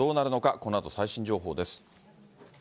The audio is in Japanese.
このあと最新情報です。